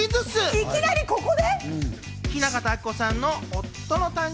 いきなりここで？！